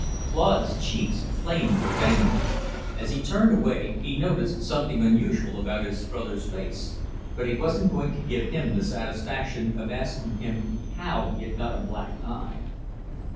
Claude's cheeks flamed with anger. As he turned away, he noticed something unusual about his brother's face, but he wasn't going to give him the satisfaction of asking him how he had got a black eye.